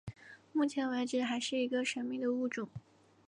目前为止还是一个神秘的物种。